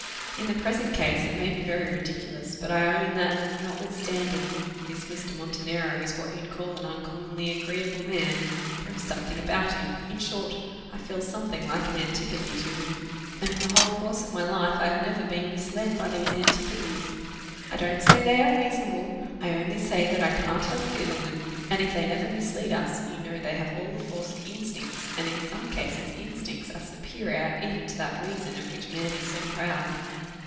In the present case, it may be very ridiculous; but I own that, notwithstanding this Mr. Montenero is what you'd call an uncommonly agreeable man, there is a something about him in short, I feel something like an antipathy to him and in the whole course of my life I have never been misled by these antipathies. I don't say they are reasonable, I only say that I can't help feeling them; and if they never mislead us, you know they have all the force of instincts, and in some cases instincts are superior even to that reason of which man is so proud."